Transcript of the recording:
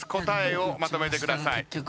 答えをまとめてください。